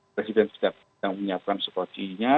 presiden yang menyiapkan sekocinya